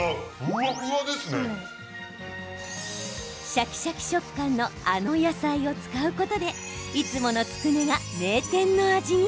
シャキシャキ食感のあの野菜を使うことでいつものつくねが名店の味に。